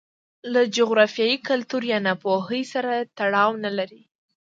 له جغرافیې، کلتور یا ناپوهۍ سره تړاو نه لري.